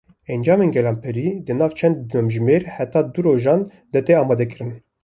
Encam bi gelemperî di nav çend demjimêr heta du rojan de têne amadekirin.